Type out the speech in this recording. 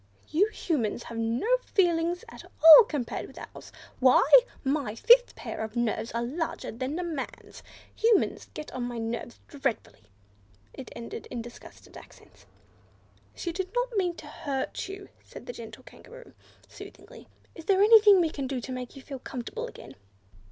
You Humans have no feelings at all compared with ours. Why, my fifth pair of nerves are larger than a man's! Humans get on my nerves dreadfully!" it ended in disgusted accents. "She did not mean to hurt you," said the gentle Kangaroo, soothingly. "Is there anything we can do to make you feel comfortable again?"